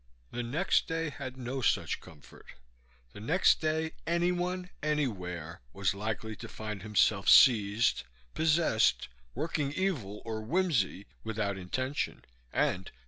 The next day had no such comfort. The next day anyone, anywhere, was likely to find himself seized, possessed, working evil or whimsy without intention and helplessly.